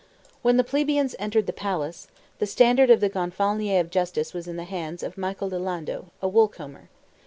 When the plebeians entered the palace, the standard of the Gonfalonier of Justice was in the hands of Michael di Lando, a wool comber.